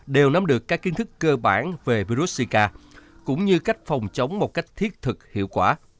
đều nắm được các kiến thức cơ bản về virus sika cũng như cách phòng chống một cách thiết thực hiệu quả